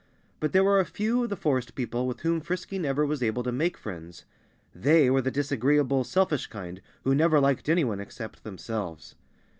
But there were a few of the forest people with whom Frisky never was able to make friends. They were the disagreeable, selfish kind, who never liked anyone except themselves.